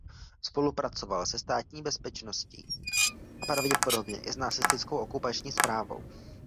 Spolupracoval se Státní bezpečnosti a pravděpodobně i s nacistickou okupační správou.